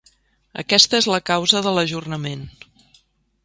Aquesta és la causa de l’ajornament.